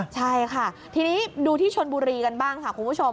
ใช่ค่ะทีนี้ดูที่ชนบุรีกันบ้างค่ะคุณผู้ชม